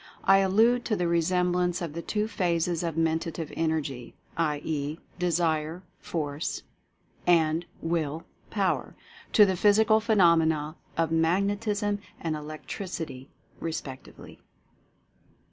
I allude to the re semblance of the two phases of Mentative Energy, i. e., Desire Force and Will Power, to the physical phenomena of Magnetism and Electricity respectively.